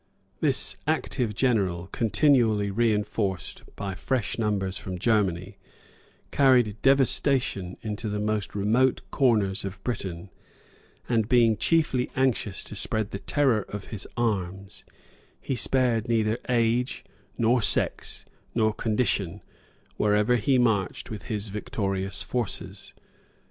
This active general, continually reënforced oy fresh numbers from Germany, carried devastation into the most remote corners of Britain; and being chiefly anxious to spread the terror of his arms, he spared neither age, nor sex, nor condition, wherever he marched with his victorious forces.